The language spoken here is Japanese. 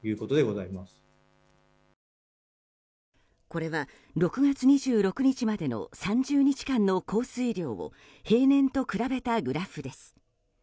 これは６月２６日までの３０日間の降水量を平年と比べたグラフです。